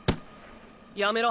やめろ。